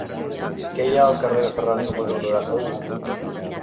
Què hi ha al carrer de Ferran número noranta-u?